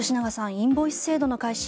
インボイス制度の開始